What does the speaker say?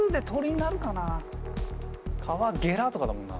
カワゲラとかだもんな。